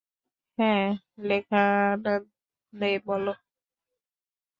হ্যাঁ, লোখান্দে বল।